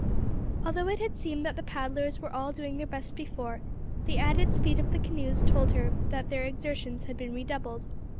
Although it had seemed that the paddlers were all doing their best before, the added speed of the canoes told that their exertions had been redoubled.